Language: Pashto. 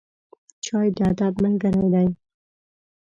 چای د ادب ملګری دی.